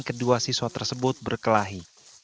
kedua siswa tersebut berkelahi